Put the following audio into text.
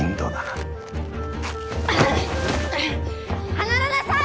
離れなさい！